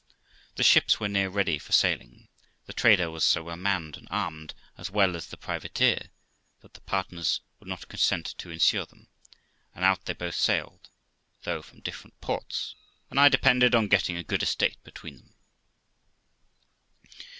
The ships were near ready for sailing; the trader was so well manned and armed, as well as the privateer, that the partners would not consent to insure them, and out THE LIFE OF ROXANA 427 they botn sailed, though from different ports, and I depended on getting a good estate between them.